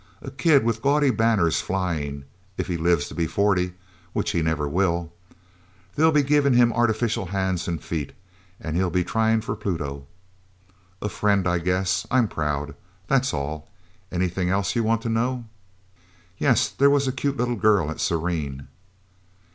A kid with gaudy banners flying, if he lives to be forty which he never will. They'll be giving him artificial hands and feet, and he'll be trying for Pluto. A friend. I guess I'm proud. That's all. Anything else you want to know?" "Yeah. There was a cute little girl at Serene."